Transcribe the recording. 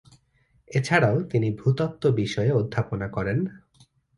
এছাড়াও তিনি ভূতত্ত্ব বিষয়ে অধ্যাপনা করেন।